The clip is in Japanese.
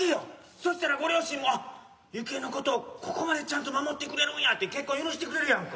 そしたらご両親も幸恵のことをここまでちゃんと守ってくれるんやって結婚許してくれるやんか。